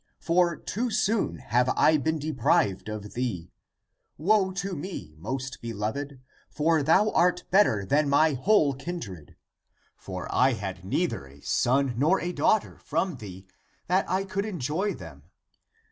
For too soon have I been deprived of thee ! Woe to me, most beloved, for thou art better than my whole kindred. For I had neither a son nor a daughter from thee that I could enjoy them.